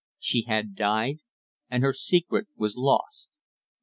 She had died, and her secret was lost.